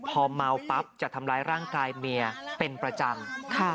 พอเมาปั๊บจะทำร้ายร่างกายเมียเป็นประจำ